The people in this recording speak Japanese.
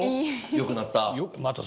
良くなった？